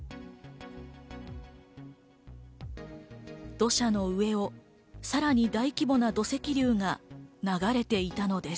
土砂の上をさらに大規模な土石流が流れていたのです。